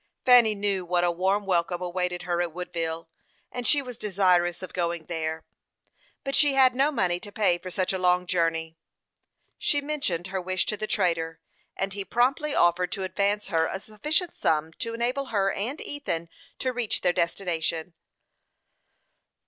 Fanny knew what a warm welcome awaited her at Woodville, and she was desirous of going there; but she had no money to pay for such a long journey. She mentioned her wish to the trader, and he promptly offered to advance her a sufficient sum to enable her and Ethan to reach their destination.